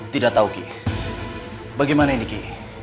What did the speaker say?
tidak tahu ki bagaimana ini ki